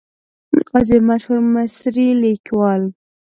قاضي د مشهور مصري لیکوال .